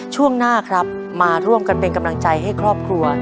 ช่วงหน้าครับมาร่วมกันเป็นกำลังใจให้ครอบครัว